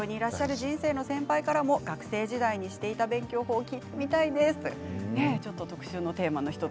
スタジオにいらっしゃる人生の先輩からの学生時代にしていた勉強法を聞いてみたいです。